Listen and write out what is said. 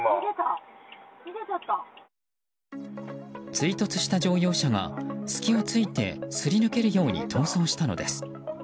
追突した乗用車が、隙を突いてすり抜けるように逃走したのです。